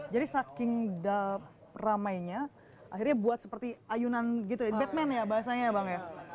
jadi saking ramainya akhirnya buat seperti ayunan gitu batman ya bahasanya bang